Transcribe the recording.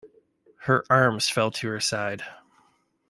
Her arms fell to her side.